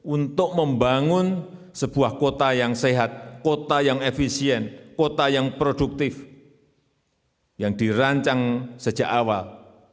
untuk membangun sebuah kota yang sehat kota yang efisien kota yang produktif yang dirancang sejak awal